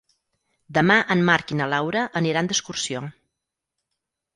Demà en Marc i na Laura aniran d'excursió.